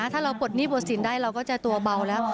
ถ้าเราปลดหนี้ปลดสินได้เราก็จะตัวเบาแล้ว